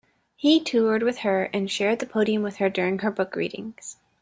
He toured with her and shared the podium with her during her book readings.